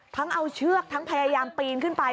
ทั้งเอาเชือกทั้งพยายามปีนขึ้นไป